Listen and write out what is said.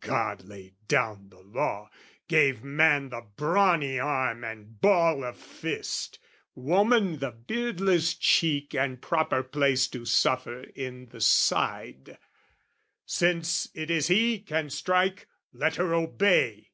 God Laid down the law: gave man the brawny arm And ball of fist woman the beardless cheek And proper place to suffer in the side: Since it is he can strike, let her obey!